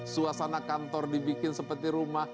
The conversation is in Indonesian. suasana kantor dibikin seperti rumah